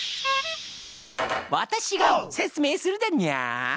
私が説明するだにゃー。